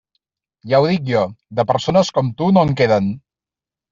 Ja ho dic jo; de persones com tu, no en queden.